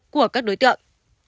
của các đối tượng